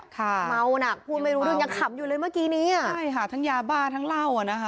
เมาหนักพูดไม่รู้เรื่องยังขำอยู่เลยเมื่อกี้นี้อ่ะใช่ค่ะทั้งยาบ้าทั้งเหล้าอ่ะนะคะ